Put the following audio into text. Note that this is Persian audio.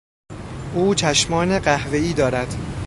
او چشمان قهوهای دارد.